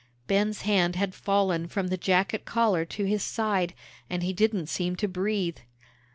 Ben's hand had fallen from the jacket collar to his side, and he didn't seem to breathe.